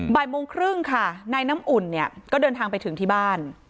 บ่ายโมงครึ่งค่ะนายน้ำอุ่นเนี่ยก็เดินทางไปถึงที่บ้าน